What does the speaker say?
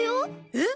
えっ！